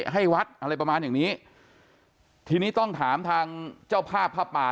ให้วัดอะไรประมาณอย่างนี้ทีนี้ต้องถามทางเจ้าภาพผ้าป่า